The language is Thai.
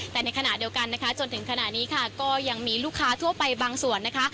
แต่ในขณะเดียวกันนะคะจนถึงขณะนี้ค่ะก็ยังมีลูกค้าทั่วไปบางส่วนนะคะ